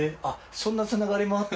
そんな繋がりもあって。